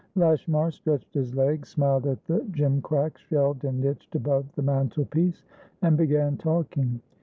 Lashmar stretched his legs, smiled at the gimcracks shelved and niched above the mantelpiece, and began talking.